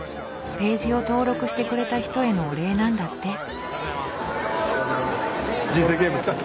ページを登録してくれた人へのお礼なんだって。